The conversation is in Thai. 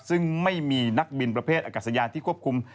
ซึ่งไม่มีนักบินประเภทอากาศยานที่ควบคุม